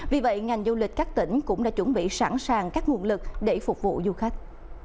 vì vậy ngành du lịch các tỉnh cũng đã chuẩn bị sẵn sàng các nguồn lực để phục vụ du khách